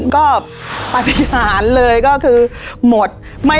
ก็ประทานเลยก็คือหมด